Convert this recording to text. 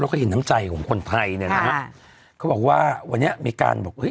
แล้วก็เห็นน้ำใจของคนไทยเนี่ยนะฮะเขาบอกว่าวันนี้มีการบอกเฮ้